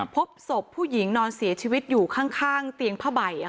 พบศพผู้หญิงนอนเสียชีวิตอยู่ข้างเตียงผ้าใบ